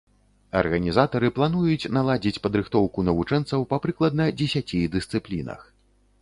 Арганізатары плануюць наладзіць падрыхтоўку навучэнцаў па прыкладна дзесяці дысцыплінах.